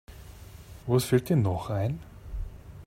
Was fällt dir noch ein?